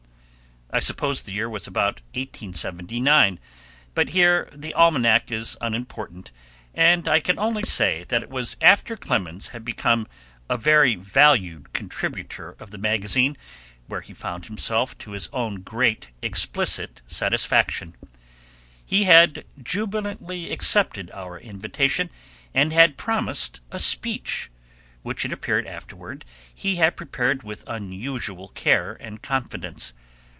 I suppose the year was about 1879, but here the almanac is unimportant, and I can only say that it was after Clemens had become a very valued contributor of the magazine, where he found himself to his own great explicit satisfaction. He had jubilantly accepted our invitation, and had promised a speech, which it appeared afterward he had prepared with unusual care and confidence.